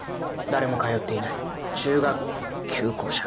誰も通っていない中学校の校舎。